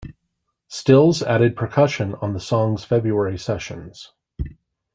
Stills added percussion on the song's February sessions.